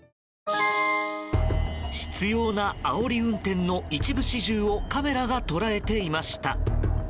執拗なあおり運転の一部始終をカメラが捉えていました。